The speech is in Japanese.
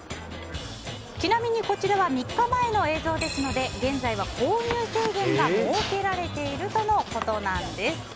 ちなみに、こちらは３日前の映像ですので現在は購入制限が設けられているとのことです。